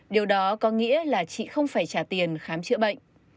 điều đó có nghĩa là chị không phải trả tiền khám chữa bệnh